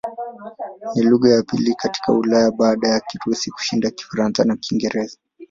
Ni lugha ya pili katika Ulaya baada ya Kirusi kushinda Kifaransa na Kiingereza.